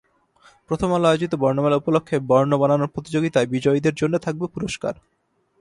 প্রথম আলো আয়োজিত বর্ণমেলা উপলক্ষে বর্ণ বানানো প্রতিযোগিতায় বিজয়ীদের জন্য থাকবে পুরস্কার।